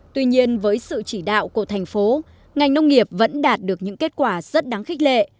tuy nhiên với sự chỉ đạo của thành phố ngành nông nghiệp vẫn đạt được những kết quả rất đáng khích lệ